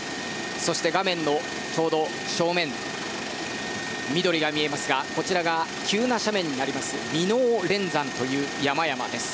そして画面正面、緑が見えますがこちらが急な斜面になります耳納連山という山々です。